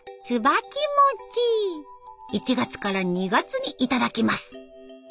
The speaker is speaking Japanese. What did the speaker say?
１月から２月に頂きます。